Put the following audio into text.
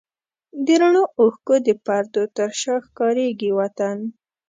د رڼو اوښکو د پردو تر شا ښکارېږي وطن